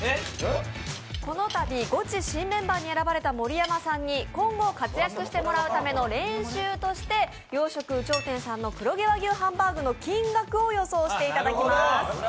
このたび、「ゴチ」新メンバーに選ばれた盛山さんに今後、活躍してもらうための練習として洋食ウチョウテンさんの黒毛和牛のハンバーグの金額を予想していただきます。